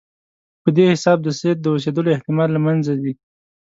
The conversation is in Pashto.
په دې حساب د سید د اوسېدلو احتمال له منځه ځي.